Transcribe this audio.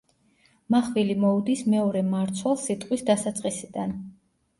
მახვილი მოუდის მეორე მარცვალს სიტყვის დასაწყისიდან.